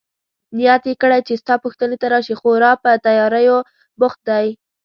نیت يې کړی چي ستا پوښتنې ته راشي، خورا په تیاریو بوخت دی.